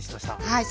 はい。